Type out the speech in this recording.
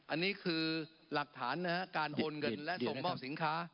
อันนี้คือหลักฐานการอ่นนเงินและสมบ้าสินค้า